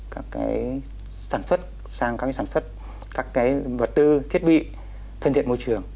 các sản xuất các vật tư thiết bị thân thiện môi trường